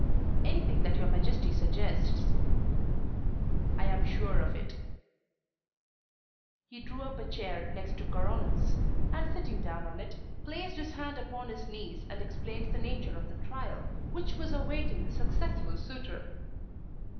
"Anything that your Majesty suggests " "I am sure of it." He drew up a chair next to Coronel's, and sitting down in it, placed his hand upon his knees and explained the nature of the trial which was awaiting the successful suitor.